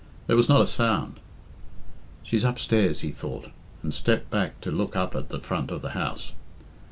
There was not a sound. "She's upstairs," he thought, and stepped back to look up at the front of the house.